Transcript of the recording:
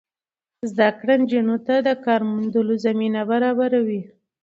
زده کړه نجونو ته د کار موندلو زمینه برابروي.